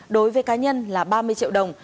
đối với cá nhân là ba mươi triệu đồng